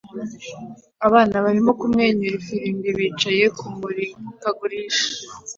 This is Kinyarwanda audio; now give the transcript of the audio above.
Abana barimo kumwenyura ifirimbi bicaye kumurikagurisha